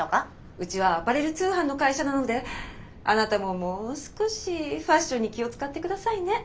うちはアパレル通販の会社なのであなたももう少しファッションに気を遣って下さいね。